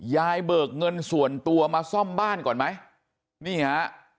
เบิกเงินส่วนตัวมาซ่อมบ้านก่อนไหมนี่ฮะ